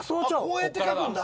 こうやって書くんだ。